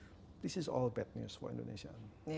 bagaimana menurut anda apa yang akan diperhatikan oleh indonesia